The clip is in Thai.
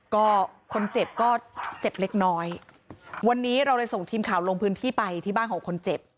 ก็คนเจ็บก็เจ็บเล็กน้อยวันนี้เราเลยส่งทีมข่าวลงพื้นที่ไปที่บ้านของคนเจ็บ